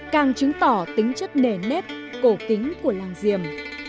càng chứng tỏ tính chất nề nếp cổ kính của làng diệm